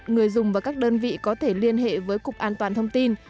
người dùng và các đơn vị có thể liên hệ với cục an toàn thông tin